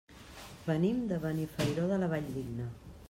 Venim de Benifairó de la Valldigna.